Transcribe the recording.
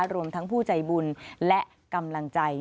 รวมทั้งผู้ใจบุญและกำลังใจ